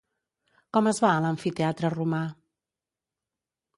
Com es va a l'amfiteatre romà?